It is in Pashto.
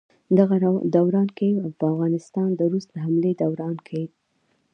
دغه دوران کښې په افغانستان د روس د حملې دوران کښې